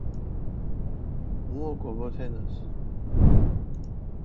მუ ოკო ბო თენას